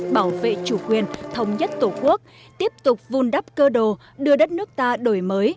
bảo vệ chủ quyền thống nhất tổ quốc tiếp tục vun đắp cơ đồ đưa đất nước ta đổi mới